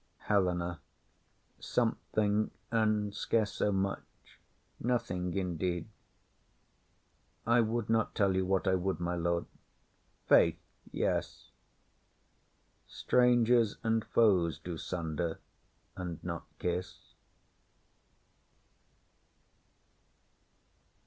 HELENA. Something; and scarce so much; nothing indeed. I would not tell you what I would, my lord. Faith, yes, Strangers and foes do sunder and not kiss.